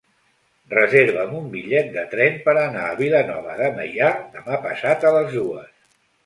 Reserva'm un bitllet de tren per anar a Vilanova de Meià demà passat a les dues.